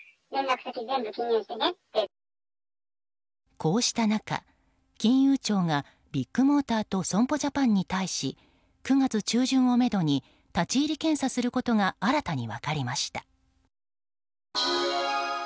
こうした中、金融庁がビッグモーターと損保ジャパンに対し９月中旬をめどに立ち入り検査することが新たに分かりました。